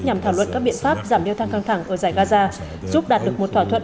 nhằm thảo luận các biện pháp giảm đeo thang căng thẳng ở giải gaza giúp đạt được một thỏa thuận